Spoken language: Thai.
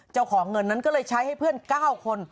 เจ้าของเงินนั้นก็เลยใช้ให้เพื่อน๙คน